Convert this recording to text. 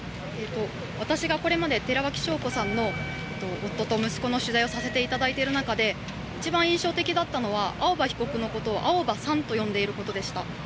私がこれまで寺脇晶子さんの夫と息子の取材をさせていただいている中で一番印象的だったのは青葉被告のことを青葉さんと呼んでいることでした。